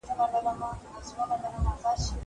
زه اوږده وخت مړۍ خورم.